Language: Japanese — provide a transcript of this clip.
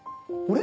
俺？